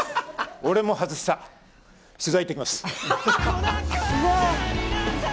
俺も外した、取材行ってきます。